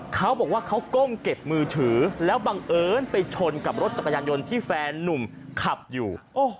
เขาบอกว่าเขาก้มเก็บมือถือแล้วบังเอิญไปชนกับรถจักรยานยนต์ที่แฟนนุ่มขับอยู่